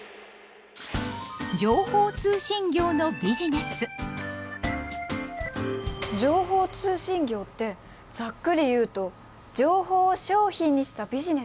情報通信業ってざっくり言うと情報を商品にしたビジネスなんだ。